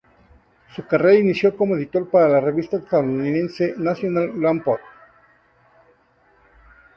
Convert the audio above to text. Su carrera inició como editor para la revista estadounidense "National Lampoon".